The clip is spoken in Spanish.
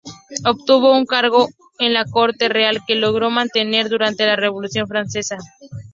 Obtuvo un cargo en la corte real que logró mantener durante la Revolución francesa.